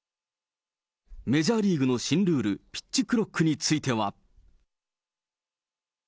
メジャーリーグの新ルール、ピッチクロックについては。